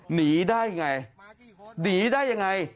หนีได้ไงหนีได้ยังไง